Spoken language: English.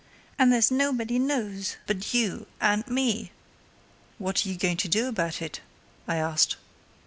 And there is nobody knows but you and me!" "What are you going to do about it?" I asked.